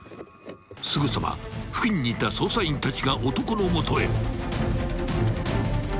［すぐさま付近にいた捜査員たちが男の元へ］